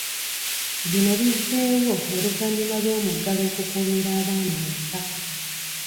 Bino bizewo oluvannyuma lw'omuggalo okukuumira abaana awaka.